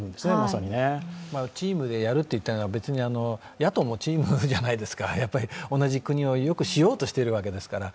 チームでやるといっても、野党もチームじゃないですか同じ国をよくしようとしてるわけですから。